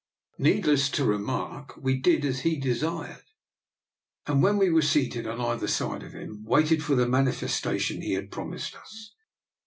Needless to remark, we did as he desired; DR. NIKOLA'S EXPERIMENT, 53 and when we were seated on either side of him waited for the manifestation he had prom ised us.